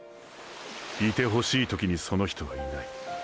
いてほしい時にその人はいない。